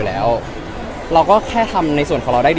แล้วจริงผมก็ไม่ได้ท่านี้เลยนะครับ